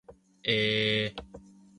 えー